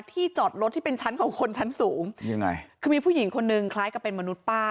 ที่จอดรถที่เป็นชั้นของคนชั้นสูงยังไงคือมีผู้หญิงคนนึงคล้ายกับเป็นมนุษย์ป้า